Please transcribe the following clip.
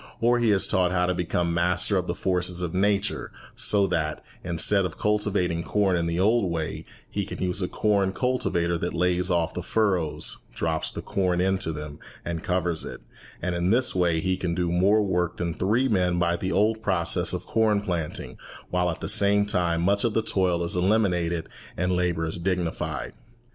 Or he is taught how to become master of the forces of nature, so that, instead of cultivating corn in the old way, he can use a corn cultivator that lays off the furrows, drops the corn into them, and covers it; and in this way he can do more work than three men by the old process of corn planting, while at the same time much of the toil is eliminated and labour is dignified.